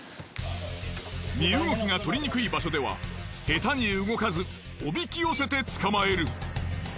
身動きが取りにくい場所では下手に動かずおびき寄せて捕まえる。